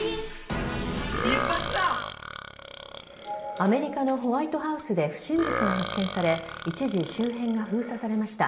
アメリカのホワイトハウスで不審物が発見され一時、周辺が封鎖されました。